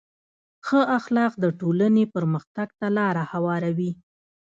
ښه اخلاق د ټولنې پرمختګ ته لاره هواروي.